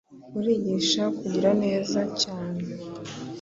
urigisha kugira neza cyane